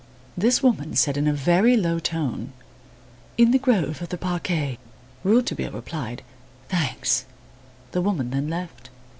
This woman said in a very low tone: "In the grove of the parquet." Rouletabille replied: "Thanks." The woman then left.